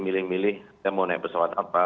milih milih saya mau naik pesawat apa